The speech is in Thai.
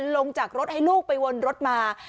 ลงจากรถให้ลูกไปวนรถมา